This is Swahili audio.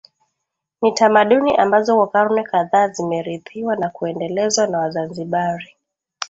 Ni tamaduni ambazo kwa karne kadhaa zimerithiwa na kuendelezwa na Wazanzibari